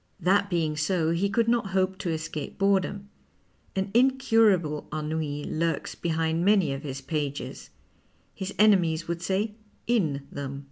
That being so, he could not hope to escape boredom. An incurable ennui lurks behind many of his pages ; his enemies would say in them.